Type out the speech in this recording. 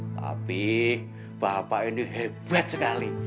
tapi bapak ini hebat sekali